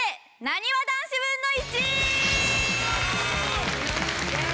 なにわ男子分の１！